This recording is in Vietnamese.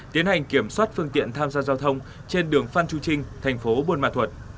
tiến hành kiểm soát phương tiện tham gia giao thông trên đường phan chu trinh thành phố buôn mà thuật